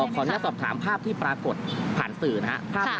ขออนุญาตสอบถามภาพที่ปรากฏผ่านสื่อนะครับ